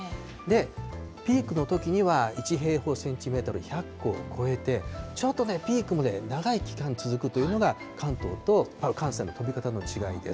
ピークのときには、１平方センチメートル１００個を超えて、ちょっとね、ピークの長い期間が続くというのが、関東と関西の飛び方の違いです。